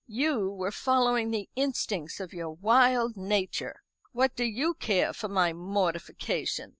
You were following the instincts of your wild nature. What do you care for my mortification?